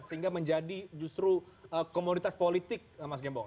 sehingga menjadi justru komoditas politik mas gembong